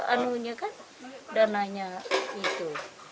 anunya kan dananya itu